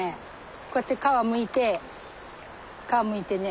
こうやって皮むいて皮むいてね